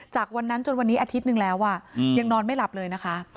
จากวันนั้นจนวันนี้อาทิตย์หนึ่งแล้วยังนอนไม่หลับเลยนะคะ